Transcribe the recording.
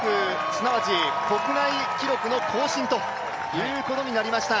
すなわち、国内記録の更新ということになりました。